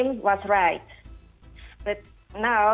kertas saya nama saya benar